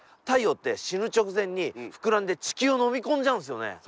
太陽って死ぬ直前に膨らんで地球を飲み込んじゃうんですよね。